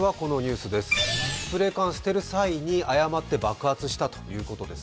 スプレー缶を捨てる際に誤って爆発したということです。